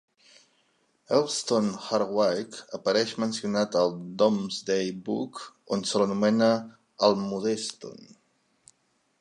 Elmstone-Hardwicke apareix mencionat al "Domesday Book", on se l'anomena Almundeston.